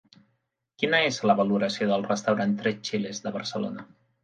Quina és la valoració del restaurant Tres Chiles de Barcelona?